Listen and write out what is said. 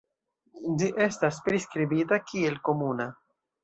Ĝi estis priskribita kiel komuna.